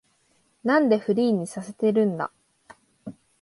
なんでフリーにさせてるんだ